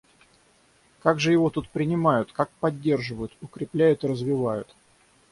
Как же его тут принимают, как поддерживают, укрепляют и развивают?